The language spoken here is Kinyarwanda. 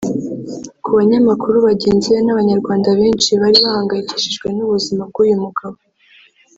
ku banyamakuru bagenzi be n’abanyarwanda benshi bari bahangayikishijwe n’ubuzima bw’uyu mugabo